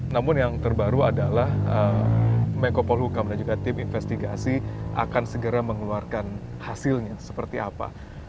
namun yang terbaru adalah mekopal hukam dan juga tim investigasi akan segera mengeluarkan hasilnya seperti apa